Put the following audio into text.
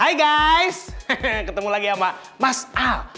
hai guys ketemu lagi sama mas al